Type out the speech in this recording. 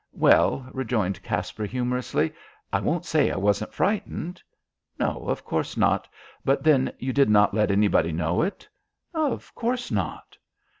"Well," rejoined Caspar humorously, "I won't say I wasn't frightened." "No, of course not. But then you did not let anybody know it?" "Of course not."